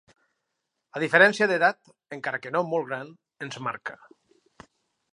La diferència d'edat, encara que no molt gran, ens marca...